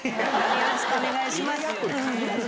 よろしくお願いします。